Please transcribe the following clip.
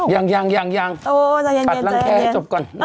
ยังแตหลังแคให้จบก่อน